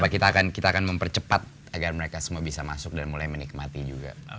tapi nggak apa apa kita akan mempercepat agar mereka semua bisa masuk dan mulai menikmati juga